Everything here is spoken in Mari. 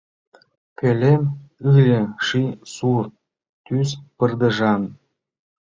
Пӧлем ыле ший-сур тӱс пырдыжан.